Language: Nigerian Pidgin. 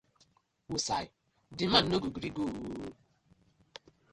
Wosai di man no go gree go ooo.